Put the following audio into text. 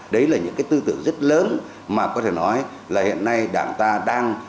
đấy là những cái tư tưởng rất lớn mà có thể nói là hiện nay đảng ta đang